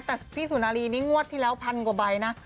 แต่พี่สุนารีนี่งวดที่แล้วพันกว่าใบนะ